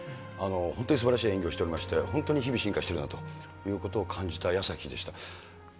本当にすばらしい演技をしておりまして、本当に日々進化しているなということを感じたやさきでした。